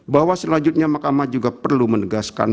bahwa selanjutnya mahkamah juga perlu menegaskan